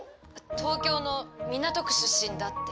東京の港区出身だって。